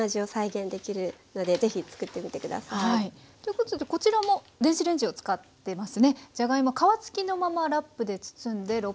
ということでこちらも電子レンジを使ってますね。